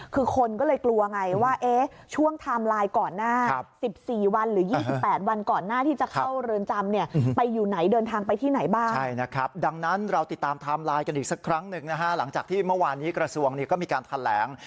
คือคนก็เลยกลัวไงว่าช่วงไทม์ไลน์ก่อนหน้า๑๔วัน